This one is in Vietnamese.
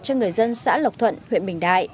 cho người dân xã lộc thuận huyện bình đại